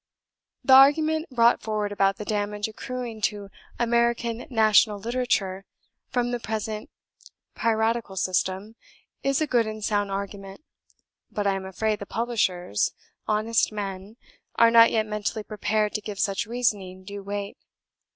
The argument brought forward about the damage accruing to American national literature from the present piratical system, is a good and sound argument; but I am afraid the publishers honest men are not yet mentally prepared to give such reasoning due weight.